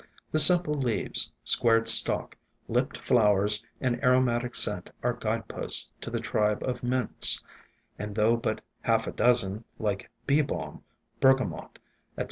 The simple leaves, squared stalk, lipped flowers, and aromatic scent are guide posts to the tribe of Mints, and though but half a dozen, like Bee Balm, Bergamot, etc.